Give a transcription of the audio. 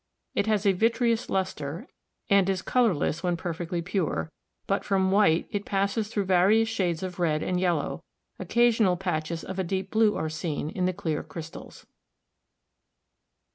It has a vitreous luster, and it is colorless when perfectly pure, but from white it passes through various shades of red and yellow; occasional patches of a deep blue are seen in the clear crystals.